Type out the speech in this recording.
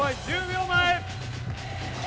１０秒前。